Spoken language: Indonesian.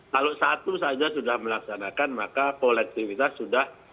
kalau satu saja sudah melaksanakan maka kolektif kita sudah